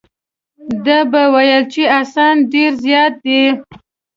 ده به ویل چې اسان ډېر زیات دي.